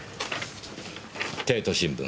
帝都新聞